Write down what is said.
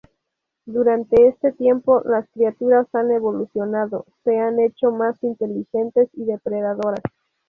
Durante este tiempo, las criaturas han evolucionado, se han hecho más inteligentes y depredadoras.